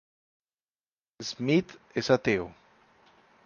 Smith es ateo.